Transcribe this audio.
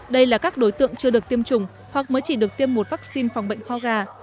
đây là các đối tượng chưa được tiêm chủng hoặc mới chỉ được tiêm một vaccine phòng bệnh ho gà